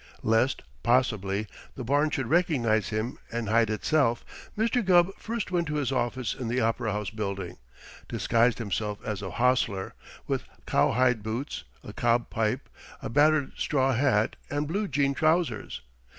Lest possibly the barn should recognize him and hide itself, Mr. Gubb first went to his office in the Opera House Building, disguised himself as a hostler, with cowhide boots, a cob pipe, a battered straw hat, and blue jean trousers.